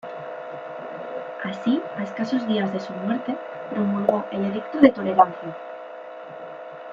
Así, a escasos días de su muerte promulgó el Edicto de Tolerancia.